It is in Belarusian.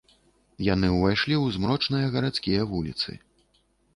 Яны ўвайшлі ў змрочныя гарадскія вуліцы.